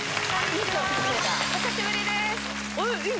お久しぶりです。